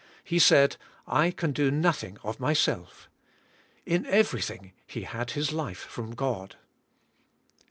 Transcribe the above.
He said, "I can do nothing of Myself." In everything He had His life from God.